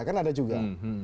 kan ada juga